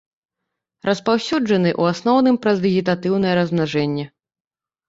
Распаўсюджаны ў асноўным праз вегетатыўнае размнажэнне.